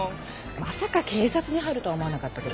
まさか警察に入るとは思わなかったけど。